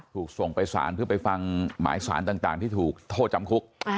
ถูกส่งไปสารเพื่อไปฟังหมายสารต่างที่ถูกโทษจำคุก